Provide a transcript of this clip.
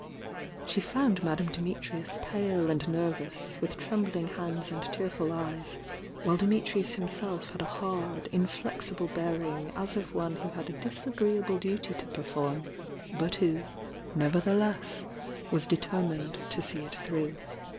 She found Madame Dimitrius pale and nervous, with trembling hands and tearful eyes, — while Dimi trius himself had a hard, inflexible bearing as of one who had a disagreeable duty to perform, but who, nevertheless, was determined to see it through.